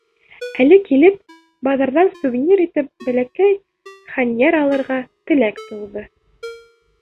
Әле килеп, баҙарҙан сувенир итеп бәләкәй хәнйәр алырға теләк тыуҙы.